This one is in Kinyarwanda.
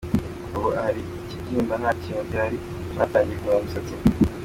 Ubu ahari ikibyimba nta kintu gihari, hanatangiye kumera umusatsi.